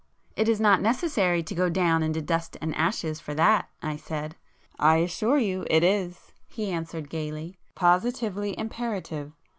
"It is not necessary to go down into dust and ashes for that," I said. "I assure you it is!—" he answered gaily—"Positively imperative.